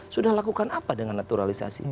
sudah lakukan apa dengan naturalisasi